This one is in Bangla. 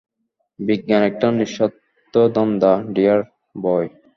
বিজ্ঞান একটা নিঃস্বার্থ ধান্দা, ডিয়ার বয়!